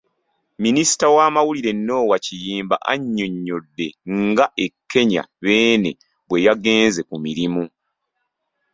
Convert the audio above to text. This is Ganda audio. Minisita w’amawulire Noah Kiyimba annyonnyodde nga e Kenya Beene bwe yagenze ku mirimu.